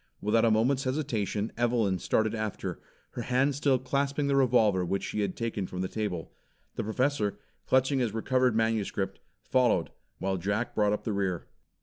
Without a moment's hesitation, Evelyn started after, her hand still clasping the revolver which she had taken from the table. The Professor, clutching his recovered manuscript, followed, while Jack brought up the rear.